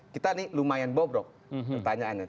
kita ini lumayan bobrok pertanyaannya